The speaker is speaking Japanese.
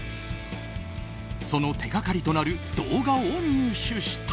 その手掛かりとなる動画を入手した。